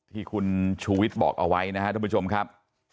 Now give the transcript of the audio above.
ที่คุณชูวิทย์บอกเอาไว้นะครับท่านผู้ชมครับ